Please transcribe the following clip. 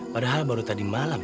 padahal baru tadi malam